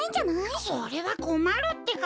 それはこまるってか。